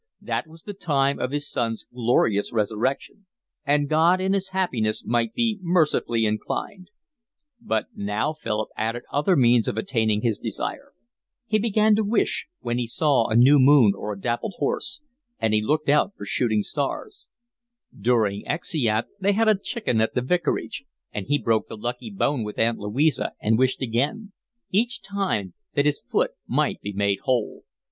That was the day of His Son's glorious resurrection, and God in His happiness might be mercifully inclined. But now Philip added other means of attaining his desire: he began to wish, when he saw a new moon or a dappled horse, and he looked out for shooting stars; during exeat they had a chicken at the vicarage, and he broke the lucky bone with Aunt Louisa and wished again, each time that his foot might be made whole.